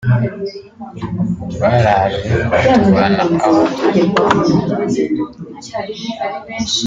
Baraje tubana aho